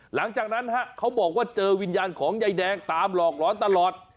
หลังจากนั้นเขาบอกว่าเจอวิญญาณของยายแดงตามหลอกหลอนตลอด